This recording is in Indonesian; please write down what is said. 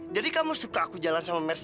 kamu suka aku jalan sama mercy